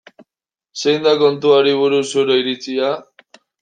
Zein da kontuari buruz zure iritzia?